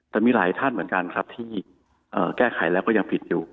แต่มีหลายท่านเหมือนกันครับที่แก้ไขแล้วก็ยังปิดอยู่